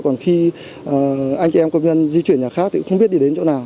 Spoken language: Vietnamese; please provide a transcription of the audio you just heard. còn khi anh chị em công nhân di chuyển nhà khác thì cũng không biết đi đến chỗ nào